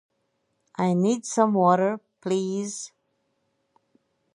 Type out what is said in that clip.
I need some water, please.